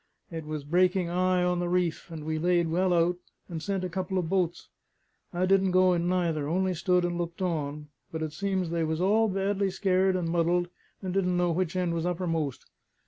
It was breaking 'igh on the reef, and we laid well out, and sent a couple of boats. I didn't go in neither; only stood and looked on; but it seems they was all badly scared and muddled, and didn't know which end was uppermost.